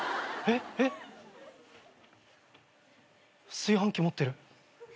炊飯器持ってる。